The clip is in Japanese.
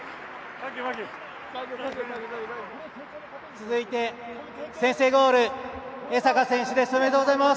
続いて、先制ゴールの江坂選手です。